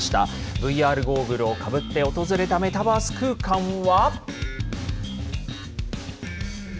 ＶＲゴーグルをかぶって訪れたメタバース空間は。